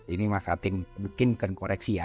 ini mas hatim bikinkan koreksi ya